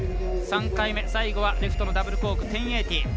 ３回目、最後はレフトのダブルコーク、１０８０。